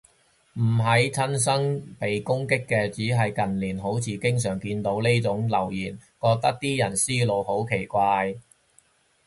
唔係親身被攻擊嘅，只係近年好似經常見到呢種留言，覺得啲人思路好奇怪